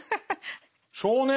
少年？